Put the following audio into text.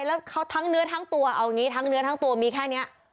แล้วเขาทั้งเนื้อทั้งตัวเอาอย่างนี้ทั้งเนื้อทั้งตัวมีแค่นี้